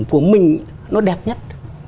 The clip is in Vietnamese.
của mình nó đẹp nhất